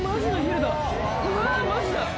うわマジだ！